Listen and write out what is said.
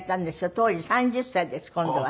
当時３０歳です今度は。